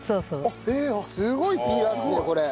すごいピーラーですねこれ。